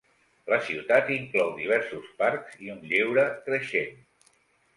La ciutat inclou diversos parcs i un lleure creixent.